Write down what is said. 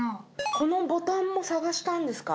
このボタンも探したんですか？